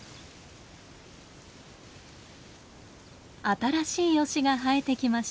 新しいヨシが生えてきました。